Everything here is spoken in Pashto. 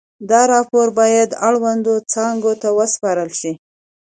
دا راپور باید اړونده څانګو ته وسپارل شي.